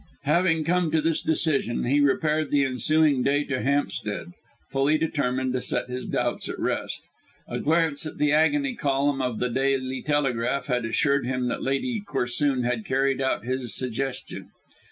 Having come to this decision, he repaired the ensuing day to Hampstead, fully determined to set his doubts at rest. A glance at the agony column of the Daily Telegraph had assured him that Lady Corsoon had carried out his suggestion.